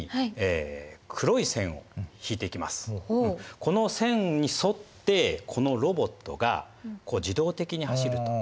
この線に沿ってこのロボットが自動的に走ると。